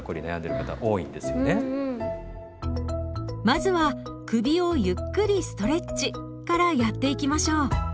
まずは「首をゆっくりストレッチ」からやっていきましょう。